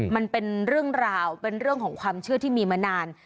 มันเป็นเรื่องราวเป็นเรื่องของความเชื่อที่มีมานาน